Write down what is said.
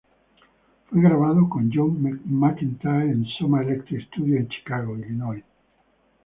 Fue grabado con John Mcentire en Soma Electric Studios en Chicago, Illinois.